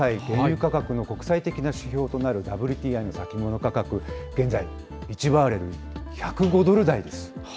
原油価格の国際的な指標となるＷＴＩの先物価格、現在１バレル１０５ドル台です。